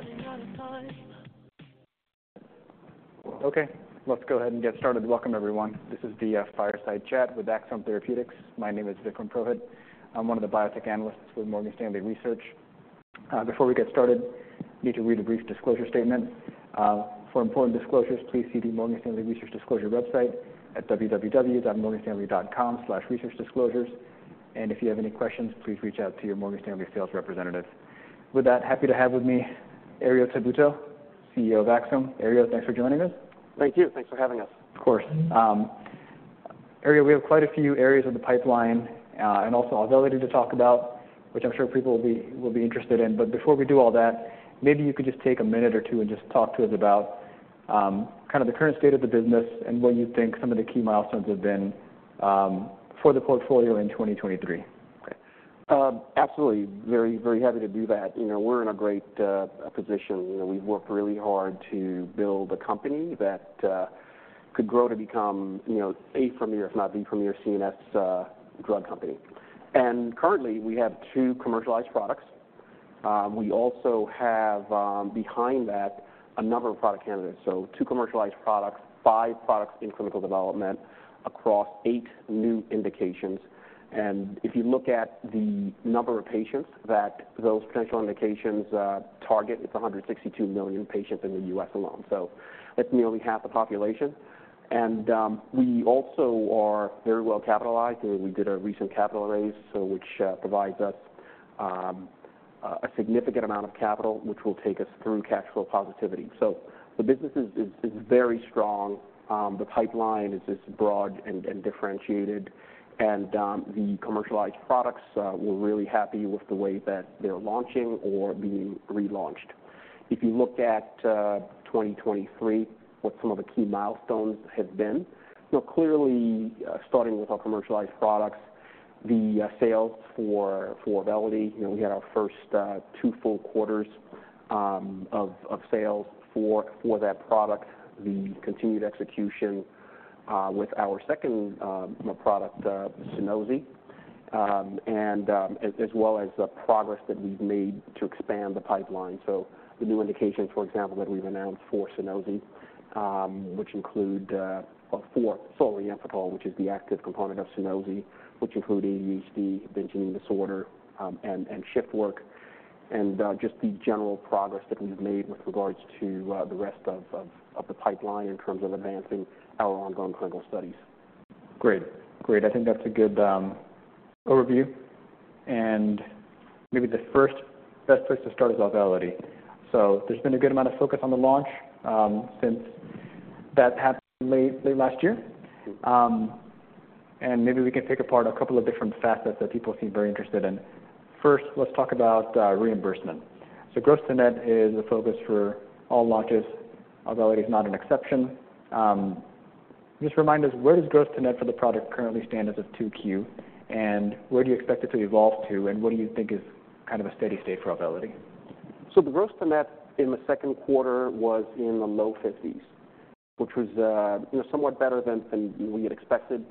I'm running out of time. Okay, let's go ahead and get started. Welcome, everyone. This is the Fireside Chat with Axsome Therapeutics. My name is Vikram Purohit. I'm one of the biotech analysts with Morgan Stanley Research. Before we get started, I need to read a brief disclosure statement. For important disclosures, please see the Morgan Stanley Research Disclosure website at www.morganstanley.com/researchdisclosures. And if you have any questions, please reach out to your Morgan Stanley sales representative. With that, happy to have with me, Herriot Tabuteau, CEO of Axsome. Herriot, thanks for joining us. Thank you. Thanks for having us. Of course. Herriot, we have quite a few areas of the pipeline, and also Auvelity to talk about, which I'm sure people will be, will be interested in. But before we do all that, maybe you could just take a minute or two and just talk to us about, kind of the current state of the business and what you think some of the key milestones have been, for the portfolio in 2023. Okay. Absolutely. Very, very happy to do that. You know, we're in a great position. You know, we've worked really hard to build a company that could grow to become, you know, a premier, if not the premier, CNS drug company. Currently, we have two commercialized products. We also have, behind that, a number of product candidates. Two commercialized products, five products in clinical development across eight new indications. If you look at the number of patients that those potential indications target, it's 162 million patients in the U.S. alone. That's nearly half the population. We also are very well capitalized. We did a recent capital raise, which provides us a significant amount of capital, which will take us through cash flow positivity. The business is very strong. The pipeline is broad and differentiated, and the commercialized products, we're really happy with the way that they're launching or being relaunched. If you look at 2023, what some of the key milestones have been, you know, clearly, starting with our commercialized products, the sales for Auvelity, you know, we had our first 2 full quarters of sales for that product. The continued execution with our second product, Sunosi, and as well as the progress that we've made to expand the pipeline. So the new indications, for example, that we've announced for Sunosi, which include. For solriamfetol, which is the active component of Sunosi, which include ADHD, binge eating disorder, and shift work, and just the general progress that we've made with regards to the rest of the pipeline in terms of advancing our ongoing clinical studies. Great. Great. I think that's a good overview, and maybe the first best place to start is Auvelity. So there's been a good amount of focus on the launch since that happened late, late last year. And maybe we can pick apart a couple of different facets that people seem very interested in. First, let's talk about reimbursement. So Gross to Net is a focus for all launches. Auvelity is not an exception. Just remind us, where does Gross to Net for the product currently stand as of 2Q? And where do you expect it to evolve to, and what do you think is kind of a steady state for Auvelity? So the Gross to Net in the second quarter was in the low 50s, which was, you know, somewhat better than we had expected,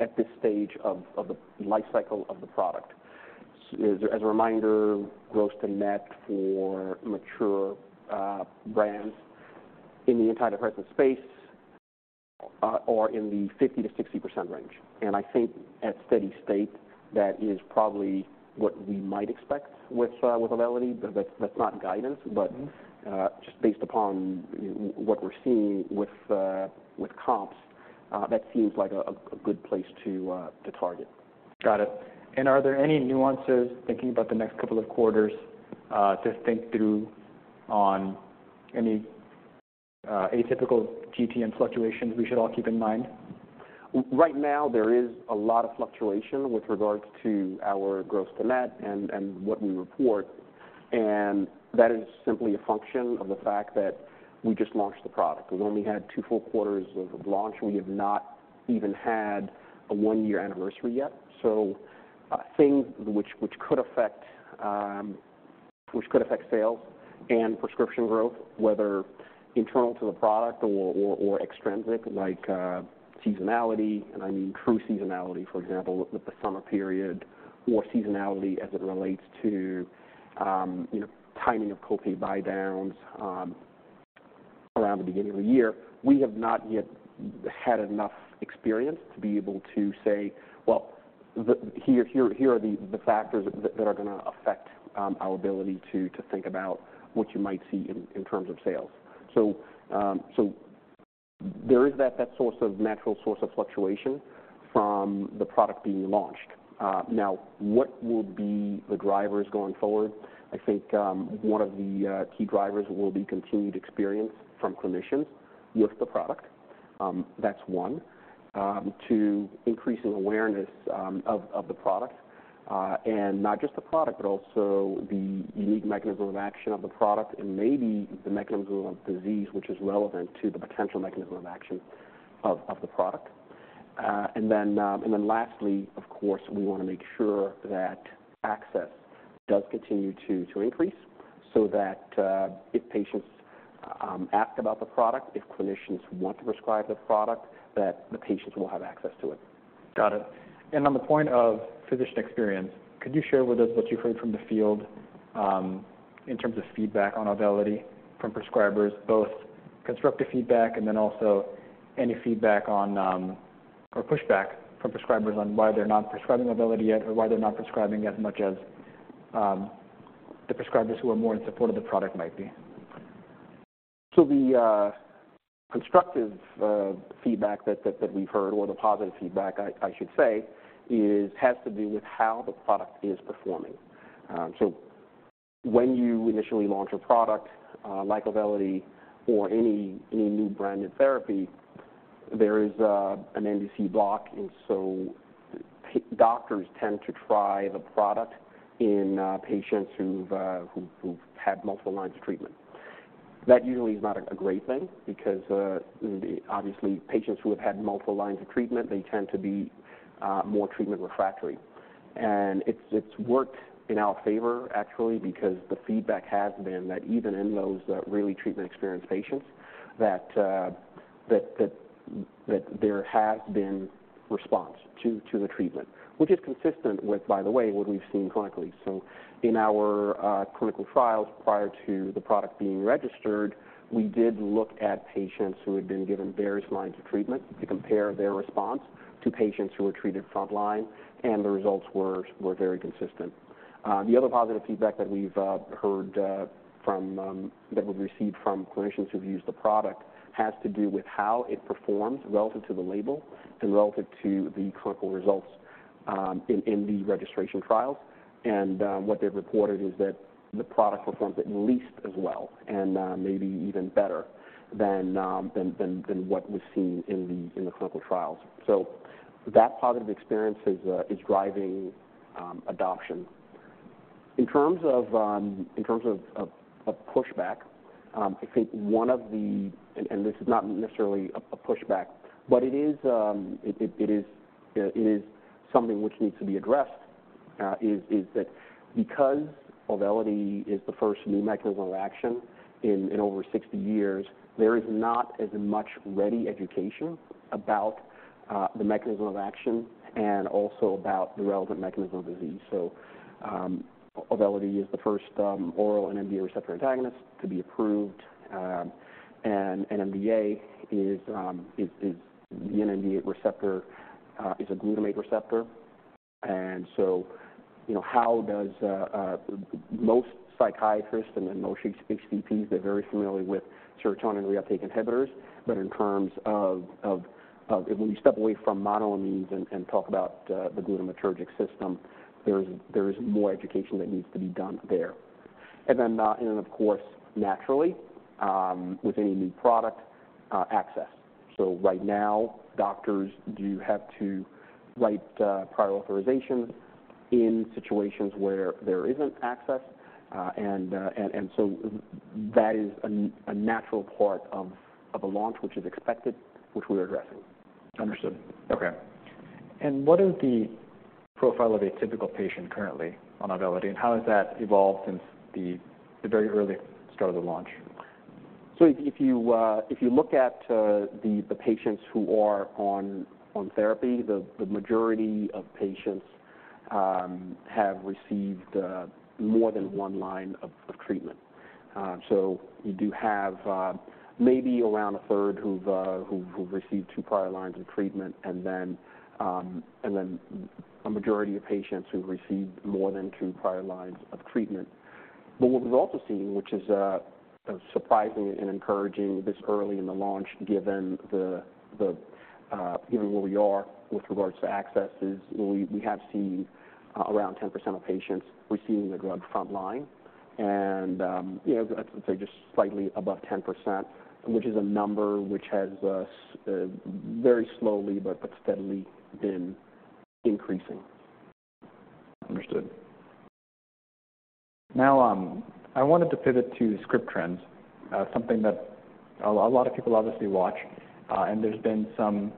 at this stage of the life cycle of the product. As a reminder, Gross to Net for mature brands in the antidepressant space are in the 50%-60% range. And I think at steady state, that is probably what we might expect with Auvelity. But that's not guidance, but- Mm-hmm. Just based upon what we're seeing with comps, that seems like a good place to target. Got it. Are there any nuances, thinking about the next couple of quarters, to think through on any atypical GTM fluctuations we should all keep in mind? Right now, there is a lot of fluctuation with regards to our gross to net and what we report, and that is simply a function of the fact that we just launched the product. We've only had two full quarters of launch. We have not even had a one-year anniversary yet. So, things which could affect sales and prescription growth, whether internal to the product or extrinsic, like seasonality, and I mean true seasonality, for example, with the summer period or seasonality as it relates to, you know, timing of copay buy downs around the beginning of the year. We have not yet had enough experience to be able to say, "Well, the... Here are the factors that are gonna affect our ability to think about what you might see in terms of sales." So, there is that source of natural fluctuation from the product being launched. Now, what will be the drivers going forward? I think one of the key drivers will be continued experience from clinicians with the product. That's one. Two, increasing awareness of the product, and not just the product, but also the unique mechanism of action of the product and maybe the mechanism of disease, which is relevant to the potential mechanism of action of the product. And then lastly, of course, we want to make sure that access does continue to increase so that if patients-... Ask about the product, if clinicians want to prescribe the product, that the patients will have access to it. Got it. And on the point of physician experience, could you share with us what you've heard from the field, in terms of feedback on Auvelity from prescribers, both constructive feedback and then also any feedback on, or pushback from prescribers on why they're not prescribing Auvelity yet, or why they're not prescribing as much as, the prescribers who are more in support of the product might be? So the constructive feedback that we've heard, or the positive feedback I should say, has to do with how the product is performing. So when you initially launch a product like Auvelity or any new brand new therapy, there is an NDC block. And so doctors tend to try the product in patients who've had multiple lines of treatment. That usually is not a great thing because, obviously, patients who have had multiple lines of treatment, they tend to be more treatment refractory. And it's worked in our favor actually, because the feedback has been that even in those really treatment-experienced patients, that there has been response to the treatment, which is consistent with, by the way, what we've seen clinically. So in our clinical trials, prior to the product being registered, we did look at patients who had been given various lines of treatment to compare their response to patients who were treated frontline, and the results were very consistent. The other positive feedback that we've received from clinicians who've used the product has to do with how it performs relative to the label and relative to the clinical results in the registration trials. And what they've reported is that the product performs at least as well and maybe even better than what was seen in the clinical trials. So that positive experience is driving adoption. In terms of pushback, I think one of the... This is not necessarily a pushback, but it is something which needs to be addressed, is that because Auvelity is the first new mechanism of action in over 60 years, there is not as much ready education about the mechanism of action and also about the relevant mechanism of disease. So, Auvelity is the first oral NMDA receptor antagonist to be approved. And an NMDA is an NMDA receptor, is a glutamate receptor. And so, you know, most psychiatrists and then most HCPs, they're very familiar with serotonin reuptake inhibitors. But in terms of when you step away from monoamines and talk about the glutamatergic system, there is more education that needs to be done there. And then, of course, naturally, with any new product, access. So right now, doctors do have to write prior authorizations in situations where there isn't access. And so that is a natural part of a launch, which is expected, which we're addressing. Understood. Okay. And what is the profile of a typical patient currently on Auvelity, and how has that evolved since the, the very early start of the launch? So if you look at the patients who are on therapy, the majority of patients have received more than one line of treatment. So you do have maybe around a third who've received two prior lines of treatment, and then a majority of patients who've received more than two prior lines of treatment. But what we've also seen, which is surprising and encouraging this early in the launch, given where we are with regards to access, is we have seen around 10% of patients receiving the drug frontline. And you know, I'd say just slightly above 10%, which is a number which has very slowly but steadily been increasing. Understood. Now, I wanted to pivot to script trends, something that a lot of people obviously watch. And there's been some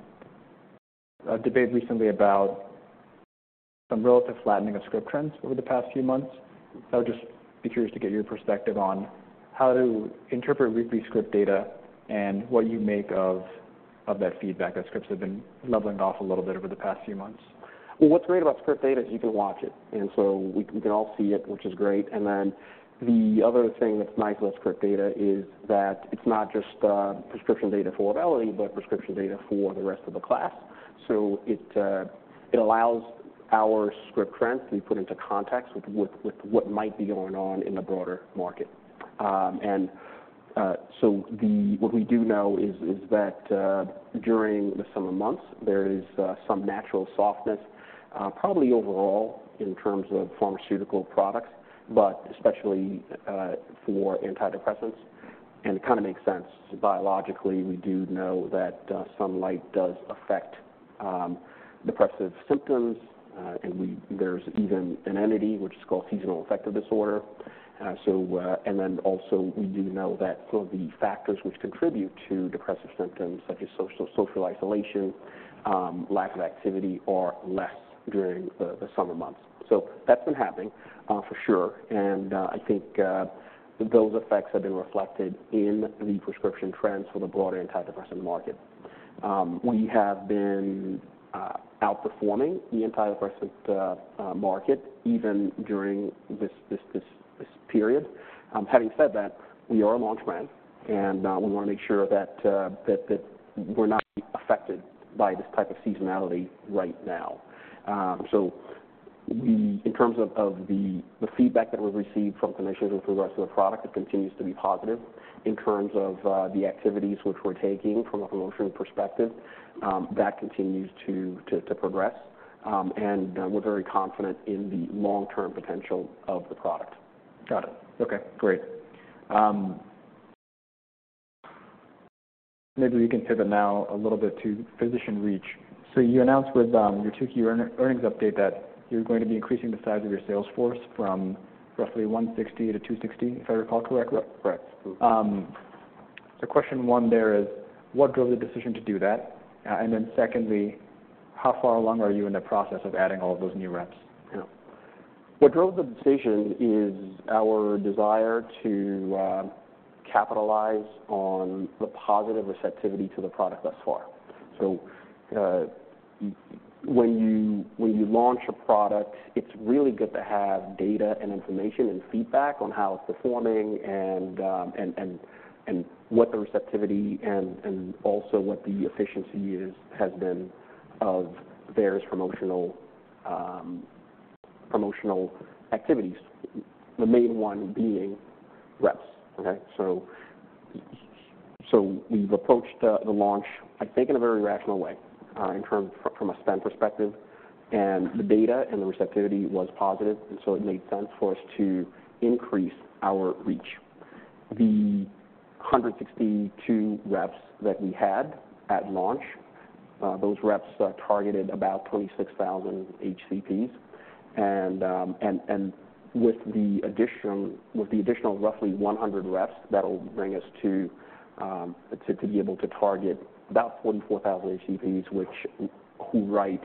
debate recently about some relative flattening of script trends over the past few months. I would just be curious to get your perspective on how to interpret weekly script data and what you make of that feedback, that scripts have been leveling off a little bit over the past few months. Well, what's great about script data is you can watch it, and so we can all see it, which is great. And then the other thing that's nice about script data is that it's not just prescription data for Auvelity, but prescription data for the rest of the class. So it allows our script trends to be put into context with what might be going on in the broader market. So what we do know is that during the summer months, there is some natural softness, probably overall in terms of pharmaceutical products, but especially for antidepressants. And it kind of makes sense biologically. We do know that sunlight does affect depressive symptoms, and there's even an entity which is called seasonal affective disorder. We do know that some of the factors which contribute to depressive symptoms, such as social isolation, lack of activity, are less during the summer months. That's been happening for sure, and I think those effects have been reflected in the prescription trends for the broader antidepressant market. We have been outperforming the antidepressant market even during this period. Having said that, we are a launch brand, and we want to make sure that we're not affected by this type of seasonality right now. So, in terms of the feedback that we've received from clinicians with regards to the product, it continues to be positive. In terms of the activities which we're taking from a promotion perspective, that continues to progress. And we're very confident in the long-term potential of the product. Got it. Okay, great. Maybe we can pivot now a little bit to physician reach. So you announced with your Q2 earnings update that you're going to be increasing the size of your sales force from roughly 160 to 260, if I recall correctly? Yep, correct. So question one there is: What drove the decision to do that? And then secondly, how far along are you in the process of adding all of those new reps? Yeah. What drove the decision is our desire to capitalize on the positive receptivity to the product thus far. So, when you launch a product, it's really good to have data and information and feedback on how it's performing and what the receptivity and also what the efficiency has been of various promotional activities, the main one being reps. Okay, so we've approached the launch, I think, in a very rational way, in terms from a spend perspective, and the data and the receptivity was positive, and so it made sense for us to increase our reach. The 162 reps that we had at launch, those reps targeted about 26,000 HCPs. And with the addition, with the additional roughly 100 reps, that'll bring us to be able to target about 44,000 HCPs, which who write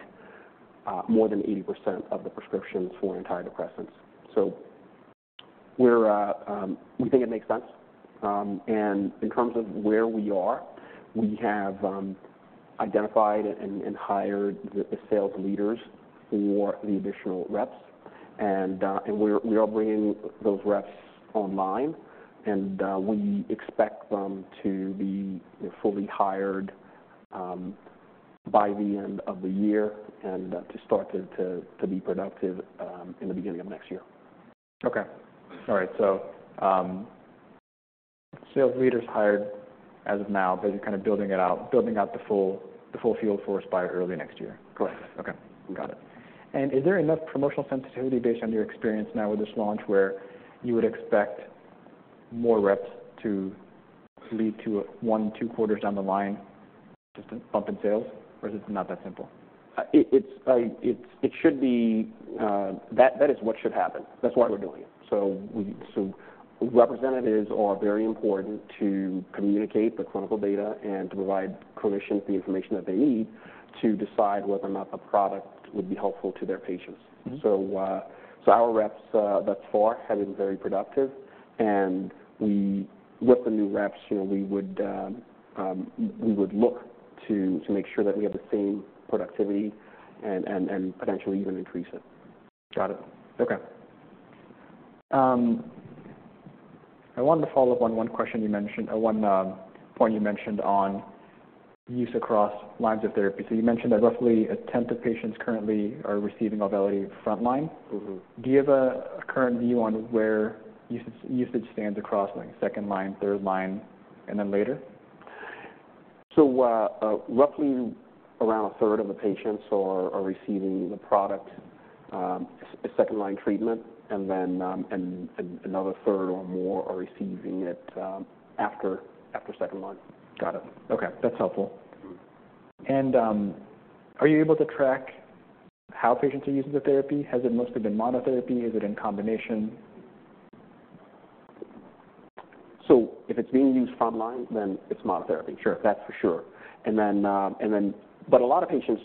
more than 80% of the prescriptions for antidepressants. So we're, we think it makes sense. And in terms of where we are, we have identified and hired the sales leaders for the additional reps. And we're bringing those reps online, and we expect them to be fully hired by the end of the year, and to start to be productive in the beginning of next year. Okay. All right, so, sales leaders hired as of now, but you're kind of building it out, building out the full, the full field force by early next year? Correct. Okay. Got it. And is there enough promotional sensitivity based on your experience now with this launch, where you would expect more reps to lead to 1, 2 quarters down the line, just a bump in sales, or is it not that simple? It should be that that is what should happen. That's why we're doing it. So representatives are very important to communicate the clinical data and to provide clinicians the information that they need to decide whether or not the product would be helpful to their patients. Mm-hmm. So, our reps thus far have been very productive, and we, with the new reps, you know, we would look to make sure that we have the same productivity and potentially even increase it. Got it. Okay. I wanted to follow up on one question you mentioned, or one point you mentioned on use across lines of therapy. So you mentioned that roughly a tenth of patients currently are receiving Auvelity frontline. Mm-hmm. Do you have a current view on where usage stands across, like, second line, third line, and then later? So, roughly around a third of the patients are receiving the product as second-line treatment, and then another third or more are receiving it after second line. Got it. Okay. That's helpful. Mm-hmm. Are you able to track how patients are using the therapy? Has it mostly been monotherapy? Is it in combination? If it's being used frontline, then it's monotherapy. Sure. That's for sure. And then, but a lot of patients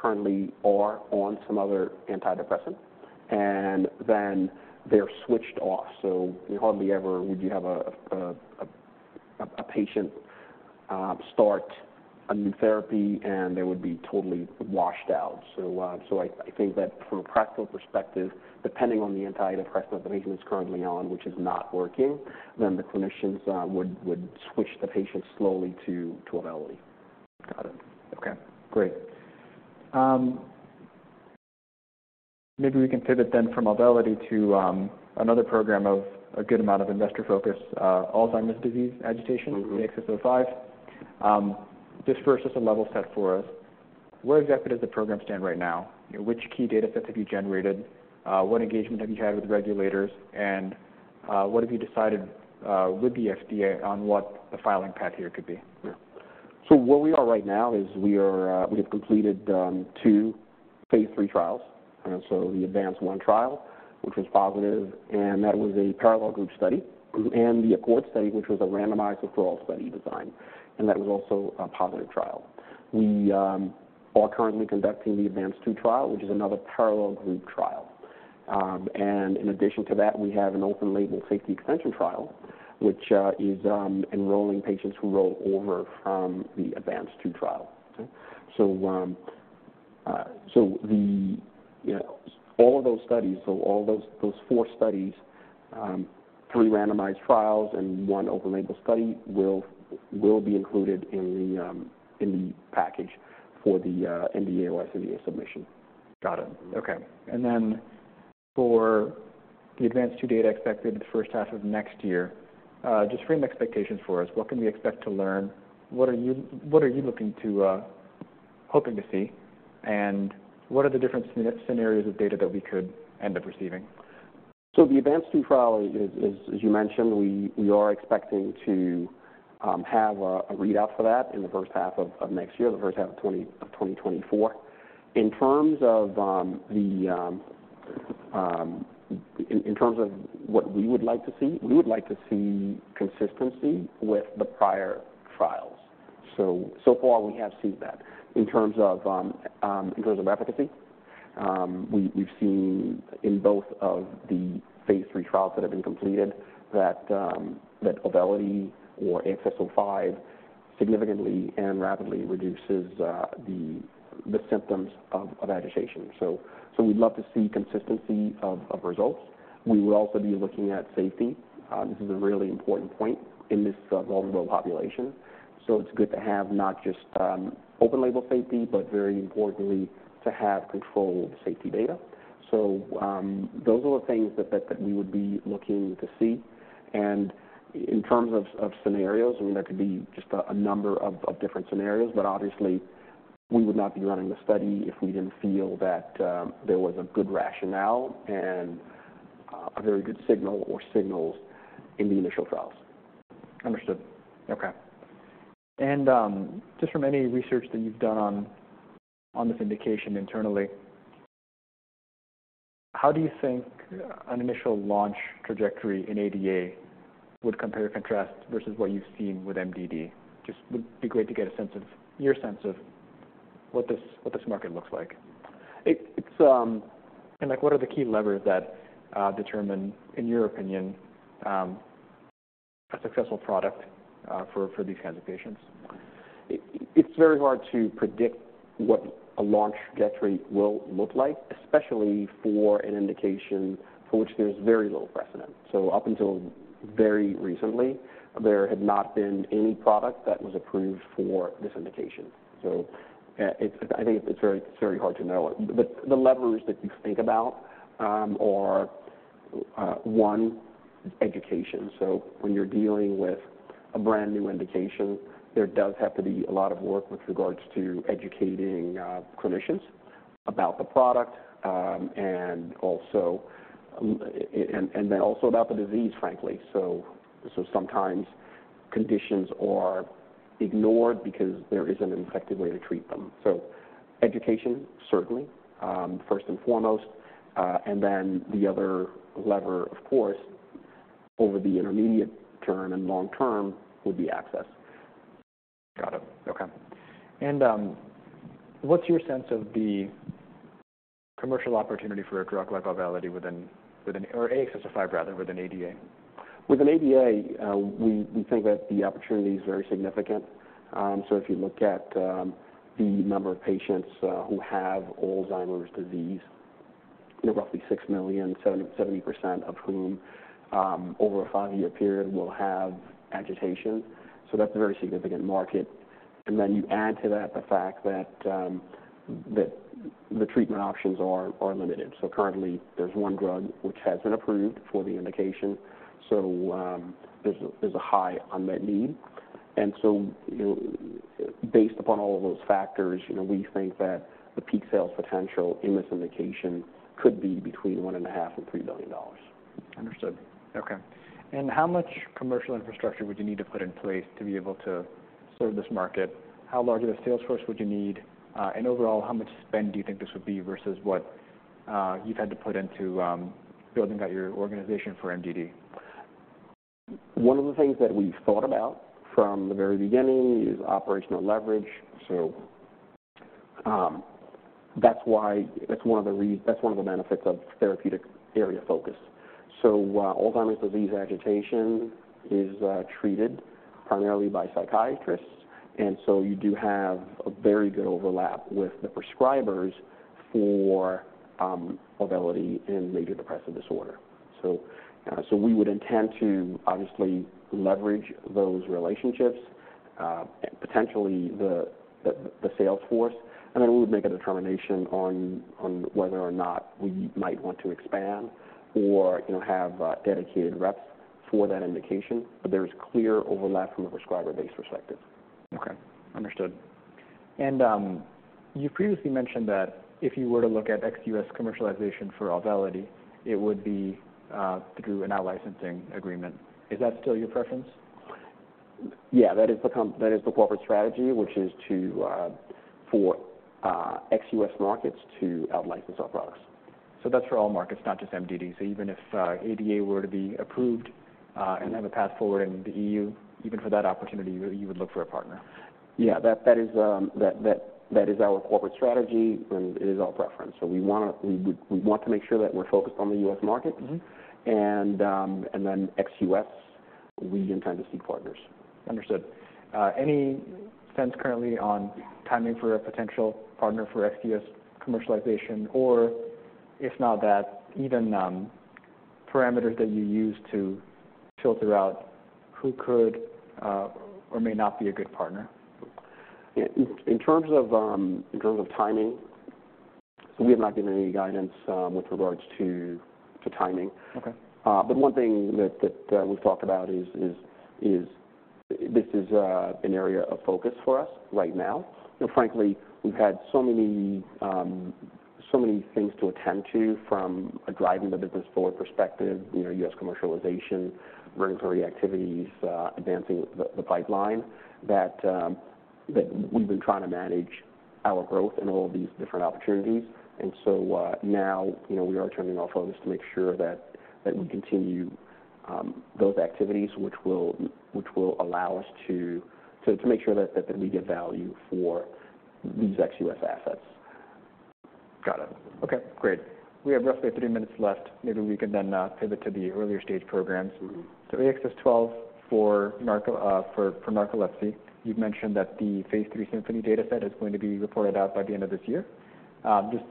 currently are on some other antidepressant, and then they're switched off. So you hardly ever would you have a patient start a new therapy, and they would be totally washed out. So, so I think that from a practical perspective, depending on the antidepressant that the patient is currently on, which is not working, then the clinicians would switch the patient slowly to Auvelity. Got it. Okay, great. Maybe we can pivot then from Auvelity to, another program of a good amount of investor focus, Alzheimer's disease agitation- Mm-hmm - AXS-05. Just first, just a level set for us. Where exactly does the program stand right now? Which key data sets have you generated? What engagement have you had with regulators, and what have you decided with the FDA on what the filing path here could be? Yeah. So where we are right now is we have completed two phase three trials. And so the ADVANCE-1 trial, which was positive, and that was a parallel group study. And the ACCORD study, which was a randomized withdrawal study design, and that was also a positive trial. We are currently conducting the ADVANCE-2 trial, which is another parallel group trial. And in addition to that, we have an open label safety extension trial, which is enrolling patients who roll over from the ADVANCE-2 trial. So, you know, all of those studies, all those four studies, three randomized trials and one open label study will be included in the package for the NDA or sNDA submission. Got it. Okay. And then for the AXS-12 data expected in the first half of next year, just frame expectations for us. What can we expect to learn? What are you, what are you looking to, hoping to see? And what are the different scenarios of data that we could end up receiving? So the ADVANCE-2 trial is, as you mentioned, we are expecting to have a readout for that in the first half of next year, the first half of 2024. In terms of what we would like to see, we would like to see consistency with the prior trials. So far we have seen that. In terms of efficacy, we've seen in both of the phase 3 trials that have been completed, that Auvelity or AXS-05 significantly and rapidly reduces the symptoms of agitation. So we'd love to see consistency of results. We will also be looking at safety. This is a really important point in this vulnerable population. So it's good to have not just open label safety, but very importantly, to have controlled safety data. Those are the things that we would be looking to see. In terms of scenarios, I mean, there could be just a number of different scenarios, but obviously we would not be running the study if we didn't feel that there was a good rationale and a very good signal or signals in the initial trials. Understood. Okay. And, just from any research that you've done on this indication internally, how do you think an initial launch trajectory in ADA would compare and contrast versus what you've seen with MDD? Just would be great to get a sense of your sense of what this market looks like. It's Like, what are the key levers that determine, in your opinion, a successful product for these kinds of patients? It's very hard to predict what a launch trajectory will look like, especially for an indication for which there's very little precedent. So up until very recently, there had not been any product that was approved for this indication. So it's. I think it's very, very hard to know. But the levers that you think about are one, education. So when you're dealing with a brand-new indication, there does have to be a lot of work with regards to educating clinicians about the product and also, and then also about the disease, frankly. So sometimes conditions are ignored because there isn't an effective way to treat them. So education, certainly, first and foremost, and then the other lever, of course, over the intermediate term and long term would be access. Got it. Okay. And, what's your sense of the commercial opportunity for a drug like Auvelity within... or AXS-05, rather, with an ADA? With an ADA, we think that the opportunity is very significant. So if you look at the number of patients who have Alzheimer's disease, they're roughly 6 million, 70% of whom over a 5-year period will have agitation. So that's a very significant market. And then you add to that the fact that the treatment options are limited. So currently there's one drug which has been approved for the indication. So there's a high unmet need. And so, you know, based upon all of those factors, you know, we think that the peak sales potential in this indication could be between $1.5 billion and $3 billion. Understood. Okay. And how much commercial infrastructure would you need to put in place to be able to serve this market? How large of a sales force would you need? And overall, how much spend do you think this would be versus what you've had to put into building out your organization for MDD? One of the things that we've thought about from the very beginning is operational leverage. So, that's why that's one of the benefits of therapeutic area focus. So, Alzheimer's disease agitation is treated primarily by psychiatrists, and so you do have a very good overlap with the prescribers for Auvelity and major depressive disorder. So, so we would intend to obviously leverage those relationships, potentially the sales force, and then we would make a determination on whether or not we might want to expand or, you know, have dedicated reps for that indication. But there's clear overlap from a prescriber-based perspective. Okay. Understood. And, you previously mentioned that if you were to look at ex-U.S. commercialization for Auvelity, it would be through an out-licensing agreement. Is that still your preference? Yeah, that is the corporate strategy, which is to, for, ex US markets to out-license our products. So that's for all markets, not just MDD. So even if ADA were to be approved and have a path forward in the EU, even for that opportunity, you, you would look for a partner? Yeah, that is our corporate strategy and it is our preference. So we wanna make sure that we're focused on the U.S. market. Mm-hmm. and then ex-US, we intend to see partners. Understood. Any sense currently on timing for a potential partner for ex-US commercialization? Or if not that, even, parameters that you use to filter out who could, or may not be a good partner? In terms of timing, so we have not given any guidance with regards to timing. Okay. But one thing that we've talked about is an area of focus for us right now. And frankly, we've had so many things to attend to, from a driving the business forward perspective, you know, U.S. commercialization, regulatory activities, advancing the pipeline, that we've been trying to manage our growth and all of these different opportunities. And so, now, you know, we are turning our focus to make sure that we continue those activities which will allow us to make sure that we get value for these ex-U.S. assets. Got it. Okay, great. We have roughly three minutes left. Maybe we can then pivot to the earlier stage programs. Mm-hmm. So AXS-12 for narcolepsy. You've mentioned that the phase 3 SYMPHONY dataset is going to be reported out by the end of this year. Just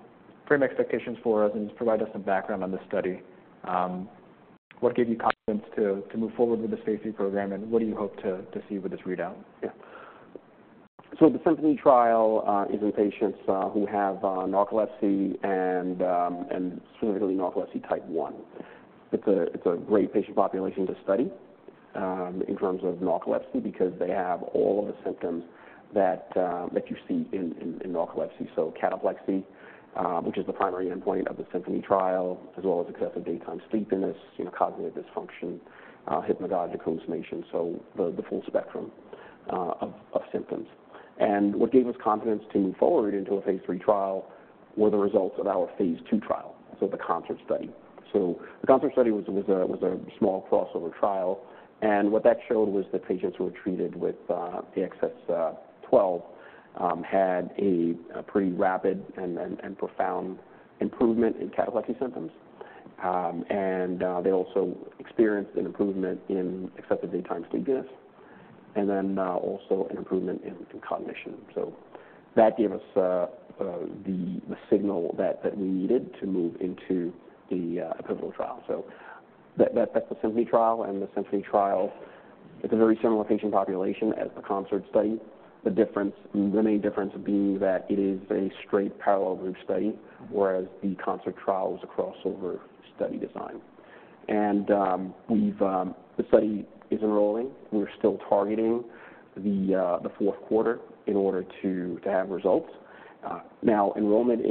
frame expectations for us and provide us some background on this study. What gave you confidence to move forward with this phase 3 program, and what do you hope to see with this readout? Yeah. So the SYMPHONY trial is in patients who have narcolepsy and specifically narcolepsy type one. It's a great patient population to study in terms of narcolepsy, because they have all of the symptoms that you see in narcolepsy. So cataplexy, which is the primary endpoint of the SYMPHONY trial, as well as excessive daytime sleepiness, you know, cognitive dysfunction, hypnagogic hallucinations, so the full spectrum of symptoms. And what gave us confidence to move forward into a Phase Three trial were the results of our Phase Two trial, so the CONCERT study. So the CONCERT study was a small crossover trial, and what that showed was that patients who were treated with the AXS-12 had a pretty rapid and profound improvement in cataplexy symptoms. And they also experienced an improvement in excessive daytime sleepiness, and then also an improvement in cognition. So that gave us the signal that we needed to move into the approval trial. So that, that's the SYMPHONY trial, and the SYMPHONY trial is a very similar patient population as the CONCERT study. The difference, the main difference being that it is a straight parallel group study, whereas the CONCERT trial was a crossover study design. The study is enrolling. We're still targeting the fourth quarter in order to have results. Now, enrollment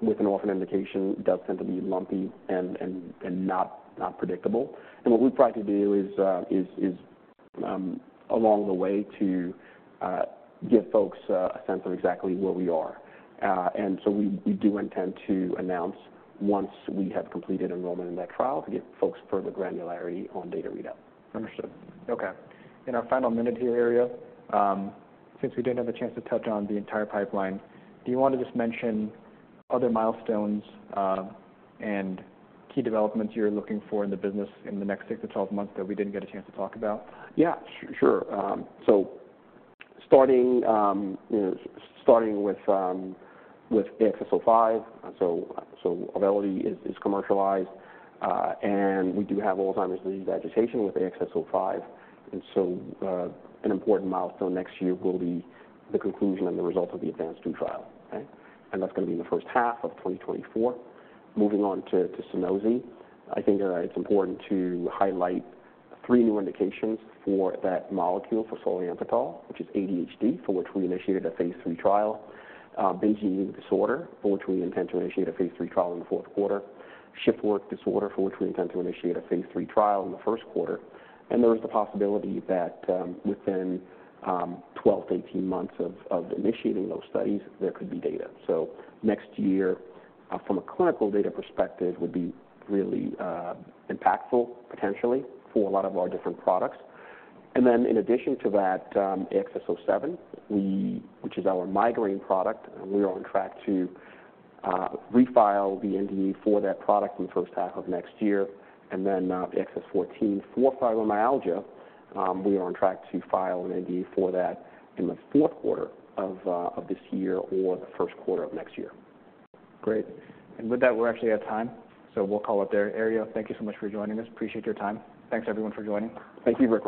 with an orphan indication does tend to be lumpy and not predictable. And what we've tried to do is along the way to give folks a sense of exactly where we are. And so we do intend to announce once we have completed enrollment in that trial to give folks further granularity on data readout. Understood. Okay. In our final minute here, Ari, since we didn't have a chance to touch on the entire pipeline, do you want to just mention other milestones, and key developments you're looking for in the business in the next 6-12 months that we didn't get a chance to talk about? Yeah, sure. So starting, you know, starting with AXS-05, so Auvelity is commercialized. And we do have Alzheimer's disease agitation with AXS-05, and so an important milestone next year will be the conclusion and the result of the ADVANCE-2 trial. Okay? And that's gonna be in the first half of 2024. Moving on to Sunosi, I think it's important to highlight three new indications for that molecule for solriamfetol, which is ADHD, for which we initiated a phase 3 trial. Binge eating disorder, for which we intend to initiate a phase 3 trial in the fourth quarter. Shift work disorder, for which we intend to initiate a phase 3 trial in the first quarter. And there is the possibility that within 12-18 months of initiating those studies, there could be data. So next year, from a clinical data perspective, would be really, impactful, potentially, for a lot of our different products. And then in addition to that, AXS-07, we, which is our migraine product, we are on track to, refile the NDA for that product in the first half of next year. And then, AXS-14 for fibromyalgia, we are on track to file an NDA for that in the fourth quarter of this year or the first quarter of next year. Great. And with that, we're actually out of time, so we'll call it there. Ari, thank you so much for joining us. Appreciate your time. Thanks everyone for joining. Thank you, Vik.